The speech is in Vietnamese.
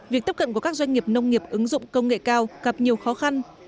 việc tiếp cận của các doanh nghiệp nông nghiệp ứng dụng công nghệ cao gặp nhiều khó khăn